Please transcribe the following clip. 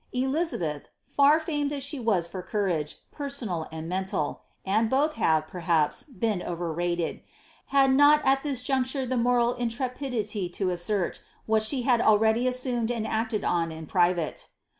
Eli zabeth, liir faineil as she was fur courage, perannal and mental — and both have, perhaps, been over rated — had not at this juncture the moral intrepidity to atiscrt, what she had already assumed and acted on in private.